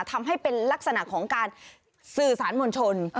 ทำให้เป็นลักษณะของการสื่อสารมวลชน